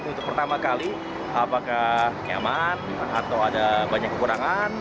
untuk pertama kali apakah nyaman atau ada banyak kekurangan